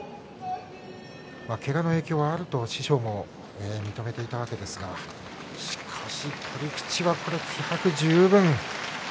けがの影響はあると師匠も認めていたわけですがしかし取り口は気迫十分。